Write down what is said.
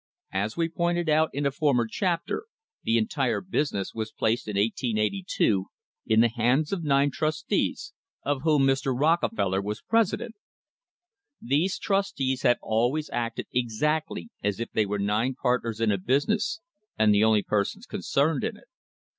As was pointed out in a former chapter, the entire business was placed in 1882 in the hands of nine trustees, of whom Mr. Rockefeller was president. These trustees have always acted exactly as if they were nine partners in a business, and the only persons concerned in it.